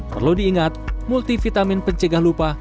perlu diingat multivitamin pencegah lupa